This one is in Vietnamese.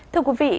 thưa quý vị